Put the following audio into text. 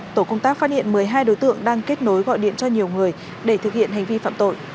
tổ công tác phát hiện một mươi hai đối tượng đang kết nối gọi điện cho nhiều người để thực hiện hành vi phạm tội